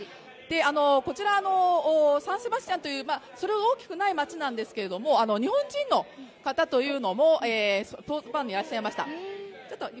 こちらのサン・セバスティアンというそれほど大きくない街なんですけれども日本人の方というのもスポーツバーにいらっしゃいました。